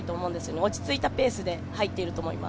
落ち着いたペースで入っていると思います。